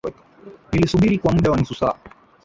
Nilisubiri kwa muda wa nusu saa.